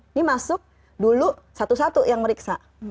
ini masuk dulu satu satu yang meriksa